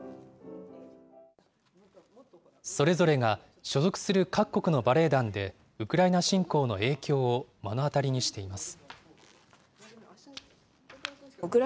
それぞれが所属する各国のバレエ団で、ウクライナ侵攻の影響を目の当たりにしています。